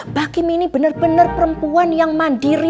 mbak kim ini bener bener perempuan yang mandiri